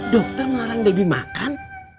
dokter melarang debbie makan